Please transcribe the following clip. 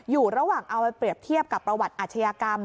อยู่ระหว่างเอาไปเปรียบเทียบกับประวัติอาชญากรรม